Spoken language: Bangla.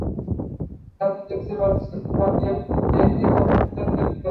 তাতো দেখতে পাচ্ছি, তোমাকে ডেইজির মতো সতেজ দেখতে।